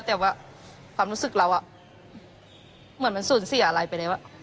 แต่ว่าความรู้สึกเราเหมือนมันสูญเสียอะไรไปแล้ว